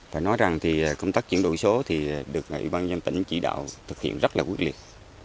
phải nói rằng thì công tác chuyển đổi số thì được ủy ban nhân tỉnh chỉ đạo thực hiện rất là quyết liệt